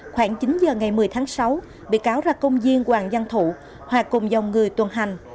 khoảng chín giờ ngày một mươi tháng sáu bị cáo ra công viên hoàng văn thụ hòa cùng dòng người tuần hành